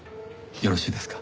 よろしいですか？